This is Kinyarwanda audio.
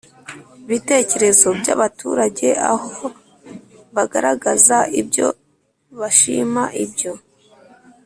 Bitekerezo by abaturage aho bagaragaza ibyo bashima ibyo